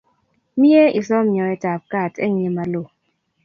Mie isom nyoet ap kaat eng' ye malo.